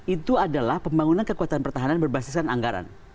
itu adalah pembangunan kekuatan pertahanan berbasiskan anggaran